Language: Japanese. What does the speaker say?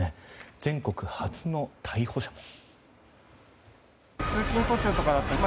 全国初の逮捕者も。